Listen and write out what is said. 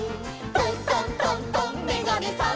「トントントントンめがねさん」